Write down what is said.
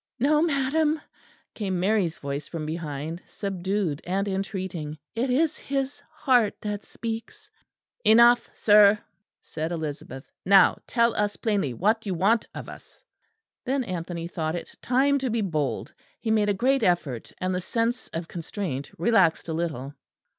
"No, madam," came Mary's voice from behind, subdued and entreating, "it is his heart that speaks." "Enough, sir," said Elizabeth; "now tell us plainly what you want of us." Then Anthony thought it time to be bold. He made a great effort, and the sense of constraint relaxed a little.